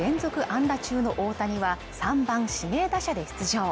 安打中の大谷は３番・指名打者で出場